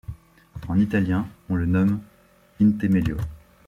En italien, on le nomme intemelio.